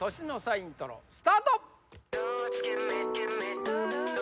イントロスタート